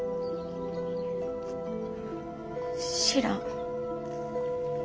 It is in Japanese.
知らん。